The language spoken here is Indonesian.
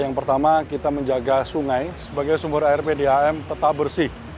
yang pertama kita menjaga sungai sebagai sumber air pdam tetap bersih